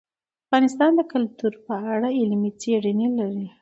افغانستان د کلتور په اړه علمي څېړنې لري.